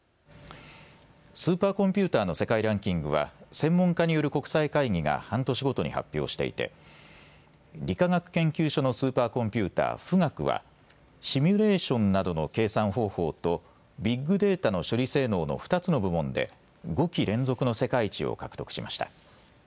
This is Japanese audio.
スーパーコンピューターの世界ランキングは専門家による国際会議が半年ごとに発表していて理化学研究所のスーパーコンピューター、富岳はシミュレーションなどの計算方法とビッグデータの処理性能の２つの部門で５期連続の世界一を獲得しました。